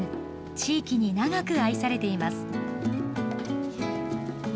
地域に長く愛されています。